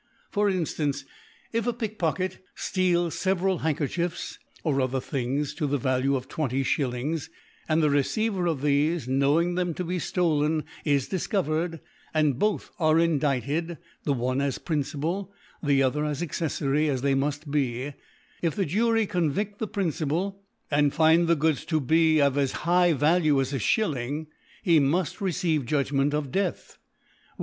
For Inftance: If a Pickpocket fteal fsveral Handkerchiefs, or other Things, to the Value of Twenty ShiK lings, and the Receiver of thefe, knowing them to be ftolen, is diicovered, and both are indicted, the oHe as Principal, the other as Acceflary, as^they inuft be j if the Jury convift the Principal, and find the Goods to be of as high Value as a Shilling, he muft receive Judgment of Death ; v^ierea!!